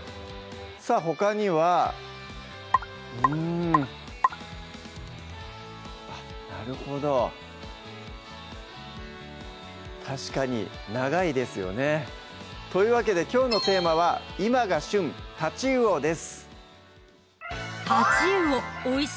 さぁほかにはうんなるほど確かに長いですよねというわけできょうのテーマは「今が旬！タチウオ」です